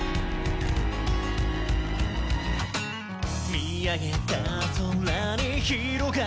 「見上げた空に広がる明日」